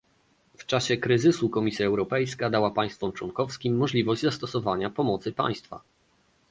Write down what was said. W czasie kryzysu Komisja Europejska dała państwom członkowskim możliwość zastosowania pomocy państwa